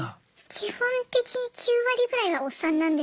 基本的に９割ぐらいはおっさんなんですけど。